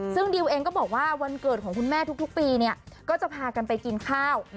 ซึ่งดิวเองก็บอกว่าวันเกิดของคุณแม่ทุกปีเนี่ยก็จะพากันไปกินข้าว